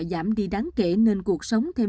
giảm đi đáng kể nên cuộc sống thêm